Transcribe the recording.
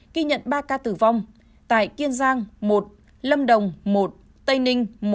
ghi nhận ba ca tử vong tại kiên giang một lâm đồng một tây ninh